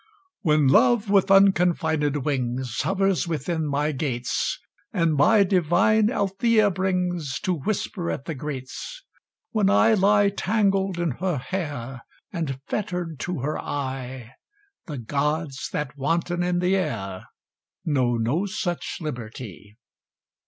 When Love with unconfinéd wings Hovers within my gates, And my divine Althea brings To whisper at the grates; When I lie tangled in her hair And fetter'd to her eye, The Gods that wanton in the air Know no such liberty.